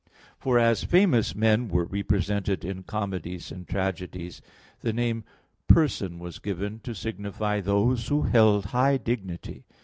For as famous men were represented in comedies and tragedies, the name "person" was given to signify those who held high dignity.